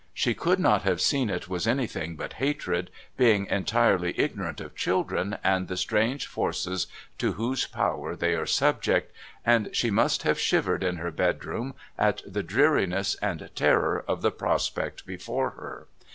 She could not have seen it as anything but hatred, being entirely ignorant of children and the strange forces to whose power they are subject, and she must have shivered in her bedroom at the dreariness and terror of the prospect before her.